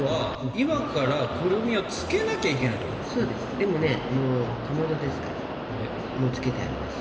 でもねもうかまどですからもうつけてあります。